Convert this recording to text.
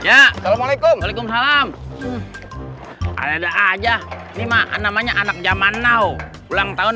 assalamualaikum waalaikumsalam ada aja nih maka namanya anak zaman now ulang tahun